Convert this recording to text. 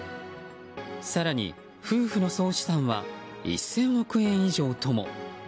更に夫婦の総資産は１０００億円以上とも。